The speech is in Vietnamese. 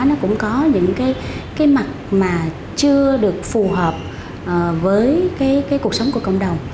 nó cũng có những cái mặt mà chưa được phù hợp với cái cuộc sống của cộng đồng